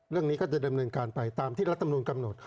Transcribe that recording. เรื่องนี้ก็จะดำเนินการไปตามที่รัฐมนุนกำหนด